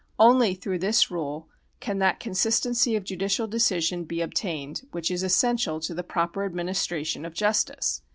Only through this rule can that consistency of judicial decision be obtained, which is essential to the proper administration of justice.